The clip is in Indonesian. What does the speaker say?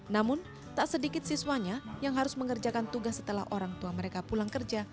namun tak sedikit siswanya yang harus mengerjakan tugas setelah orang tua mereka pulang kerja